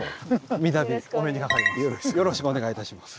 三たびお目にかかります。